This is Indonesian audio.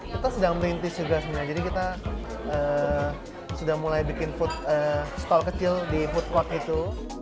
kita sedang merintis juga sebenarnya jadi kita sudah mulai bikin stall kecil di food park itu